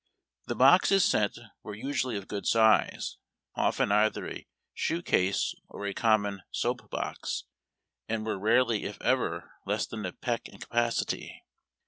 The boxes sent were usually of good size, often either a shoe case or a common soap box, and were rarely if ever less than a peck in capacity.